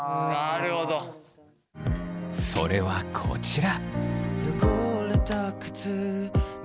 それはこちら。